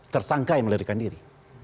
tersangka yang melirikan diri